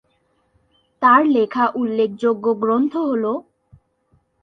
তার লেখা উল্লেখযোগ্য গ্রন্থ হলো-